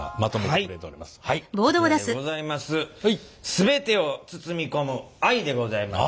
「全てを包み込む愛」でございます。